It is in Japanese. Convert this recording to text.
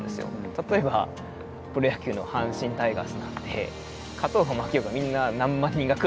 例えばプロ野球の阪神タイガースなんて勝とうが負けようがみんな何万人が来るわけじゃないですか。